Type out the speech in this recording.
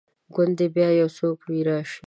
ګوندي بیا یو څوک وي راشي